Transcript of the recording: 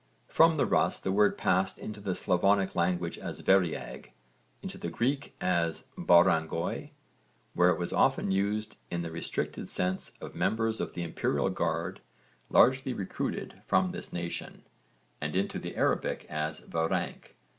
From the Russ the word passed into the Slavonic language as variag, into the Greek as barangoi where it was often used in the restricted sense of members of the imperial guard largely recruited from this nation, and into the Arabic as varank.